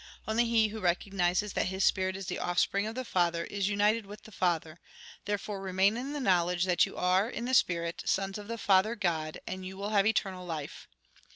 Only he who recognises that his spirit is the offspring of the Father, is united with the Father. Therefore remain in the knowledge that you are, in the spirit, sons of the Father, God, and you will have eternal life.